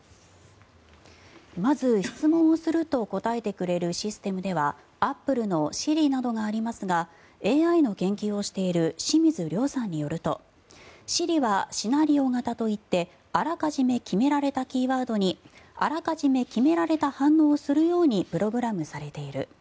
まず、質問をすると答えてくれるシステムではアップルのＳｉｒｉなどがありますがＡＩの研究をしている清水亮さんによるとＳｉｒｉはシナリオ型といってあらかじめ決められたキーワードにあらかじめ決められた反応をするようにプログラムされている。